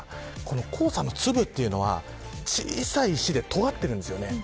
黄砂の粒というのは小さい石でとがっているんです。